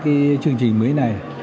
các chương trình mới này